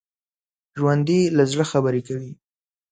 ژوندي له زړه خبرې کوي